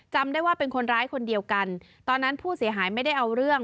จำได้ว่าเป็นคนร้ายคนเดียวกันตอนนั้นผู้เสียหายไม่ได้เอาเรื่อง